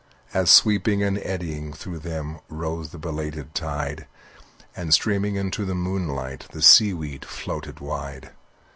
As, sweeping and eddying through them Rose the belated tide, And, streaming into the moonlight, The seaweed floated wide.